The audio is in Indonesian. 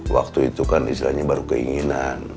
waktu itu kan istilahnya baru keinginan